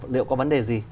liệu có vấn đề gì